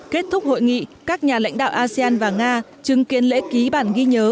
kết thúc hội nghị các nhà lãnh đạo asean và nga chứng kiến lễ ký bản ghi nhớ